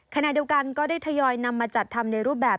ขณะเดียวกันก็ได้ทยอยนำมาจัดทำในรูปแบบ